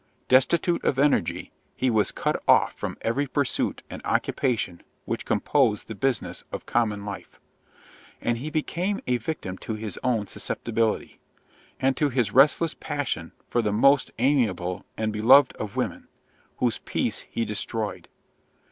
Destitute of energy, he was cut off from every pursuit and occupation which compose the business of common life; and he became a victim to his own susceptibility, and to his restless passion for the most amiable and beloved of women, whose peace he destroyed.